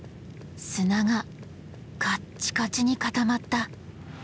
砂がカッチカチに固まった。